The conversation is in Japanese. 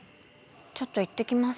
ちょっと行ってきます。